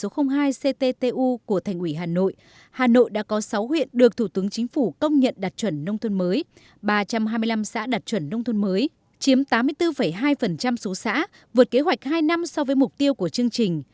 không còn xã dưới một mươi tiêu chí